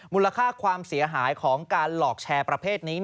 มูลค่าความเสียหายของการหลอกแชร์ประเภทนี้